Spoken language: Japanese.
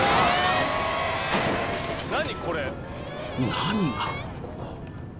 ［何が！？］